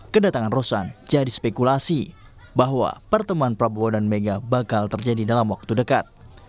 kedatangan rosan jadi spekulasi bahwa pertemuan prabowo dan mega bakal terjadi dalam waktu dekat